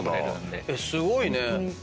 すごいね。